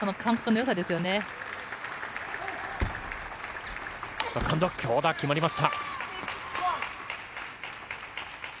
強打、決まりました。